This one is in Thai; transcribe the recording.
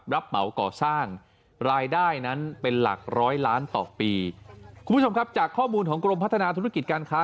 รายได้นั้นเป็นหลัก๑๐๐ล้านต่อปีคุณผู้ชมครับจากข้อมูลของกรมพัฒนาธุรกิจการค้า